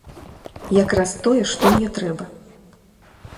Якраз тое, што мне трэба!